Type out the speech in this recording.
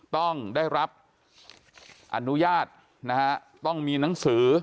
ต้องได้รับอนุญาตนะฮะต้องมีหนังสือ